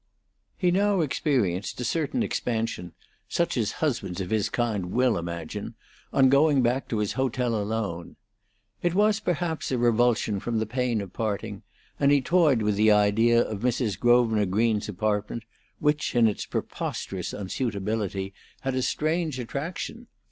He now experienced a certain expansion, such as husbands of his kind will imagine, on going back to his hotel alone. It was, perhaps, a revulsion from the pain of parting; and he toyed with the idea of Mrs. Grosvenor Green's apartment, which, in its preposterous unsuitability, had a strange attraction.